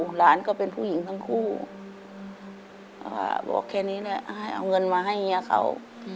หลานก็เป็นผู้หญิงทั้งคู่บอกแค่นี้แหละให้เอาเงินมาให้เฮียเขา